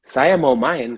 saya mau main